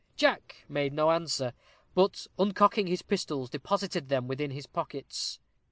Jack made no answer, but uncocking his pistols, deposited them within his pockets.